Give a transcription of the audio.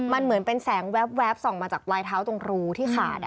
มันเหมือนเป็นแสงแว๊บส่องมาจากปลายเท้าตรงรูที่ขาด